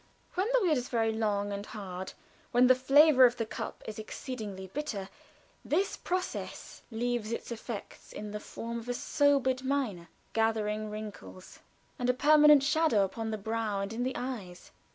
When the weird is very long and hard when the flavor of the cup is exceeding bitter, this process leaves its effects in the form of sobered mien, gathering wrinkles, and a permanent shadow on the brow, and in the eyes.